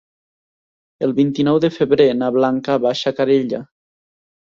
El vint-i-nou de febrer na Blanca va a Xacarella.